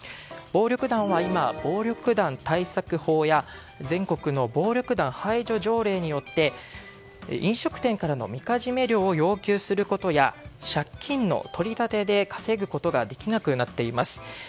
暴力団は今、暴力団対策法や全国の暴力団排除条例によって飲食店からのみかじめ料を要求することや借金の取り立てで稼ぐことができなくなっています。